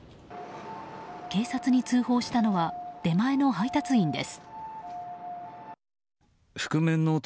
警察に通報したのは出前の配達員です。